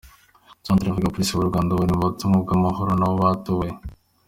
Centrafrique: Abapolisi b’u Rwanda bari mu butumwa bw’amahoro nabo batoye.